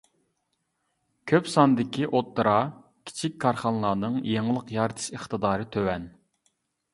كۆپ ساندىكى ئوتتۇرا، كىچىك كارخانىلارنىڭ يېڭىلىق يارىتىش ئىقتىدارى تۆۋەن.